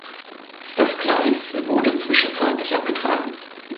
Das Gleis wurde zwischenzeitlich abgetragen.